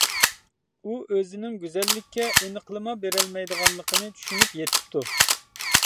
ئۇ ئۆزىنىڭ گۈزەللىككە ئېنىقلىما بېرەلمەيدىغانلىقىنى چۈشىنىپ يېتىپتۇ.